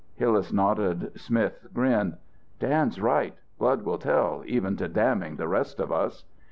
Hillas nodded, Smith grinned. "Dan's right. Blood will tell, even to damning the rest of us."